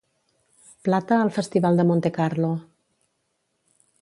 Plata al festival de Montecarlo